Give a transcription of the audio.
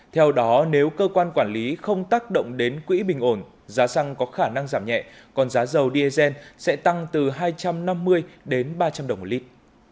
theo đó nếu cơ quan quản lý không tác động đến quỹ bình ổn giá xăng có khả năng giảm nhẹ còn giá dầu diesel sẽ tăng từ hai trăm năm mươi đến ba trăm linh đồng một lít